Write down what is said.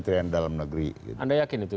tapi itu anda yakin ya anda yakin itu